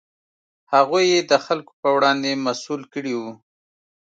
هغوی یې د خلکو په وړاندې مسوول کړي وو.